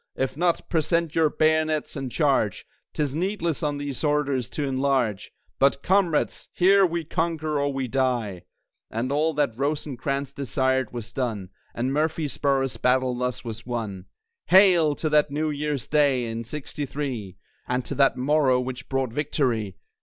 If not, present your bayonets, and Charge! 'Tis needless on these orders to enlarge; But Comrades! here we conquer or we die!" And all that Rosecrans desired was done; And Murfreesboro's battle thus was won. Hail! to that New Year's Day in 'Sixty three, And to that morrow which brought victory.